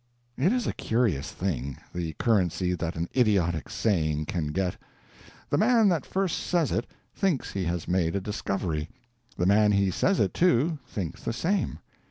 It is a curious thing, the currency that an idiotic saying can get. The man that first says it thinks he has made a discovery. The man he says it to, thinks the same.